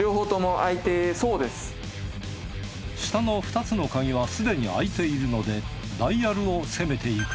下の２つの鍵はすでに開いているのでダイヤルを攻めていく。